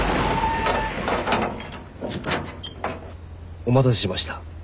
お待たせしました。